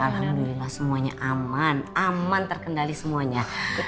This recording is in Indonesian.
alhamdulillah semuanya aman aman terkendali semuanya